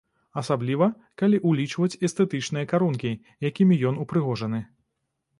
Асабліва, калі ўлічваць эстэтычныя карункі, якімі ён упрыгожаны.